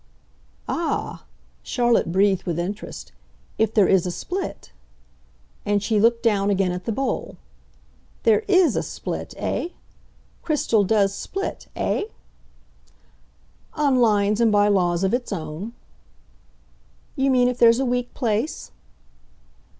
"Ah!" Charlotte breathed with interest. "If there is a split." And she looked down again at the bowl. "There IS a split, eh? Crystal does split, eh?" "On lines and by laws of its own." "You mean if there's a weak place?"